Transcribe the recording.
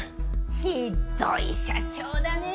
ひっどい社長だね。